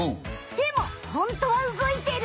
でもホントは動いてる。